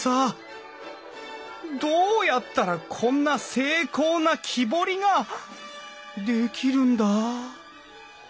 どうやったらこんな精巧な木彫りができるんだ？